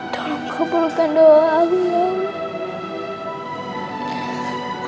tolong kembalikan doa aku ya allah